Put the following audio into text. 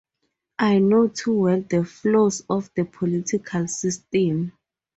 I know too well the flaws of the political system.